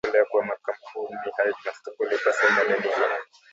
milioni moja ) zilitolewa kwa makampuni hayo Jumatatu kulipa sehemu ya deni hilo